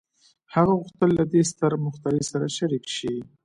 هغه غوښتل له دې ستر مخترع سره شريک شي.